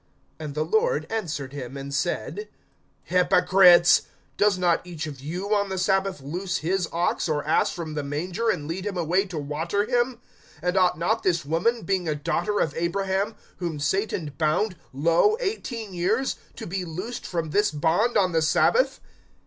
(15)And the Lord answered him, and said: Hypocrites! Does not each of you on the sabbath loose his ox or ass from the manger, and lead him away to water him? (16)And ought not this woman, being a daughter of Abraham, whom Satan bound, lo, eighteen years, to be loosed from this bond on the sabbath?